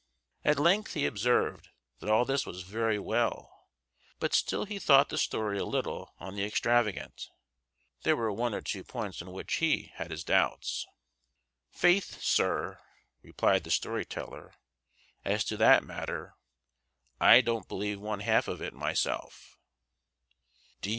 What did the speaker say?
At length he observed that all this was very well, but still he thought the story a little on the extravagant there were one or two points on which he had his doubts. "Faith, sir," replied the story teller, "as to that matter, I don't believe one half of it myself."